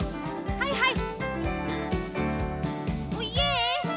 はいはい。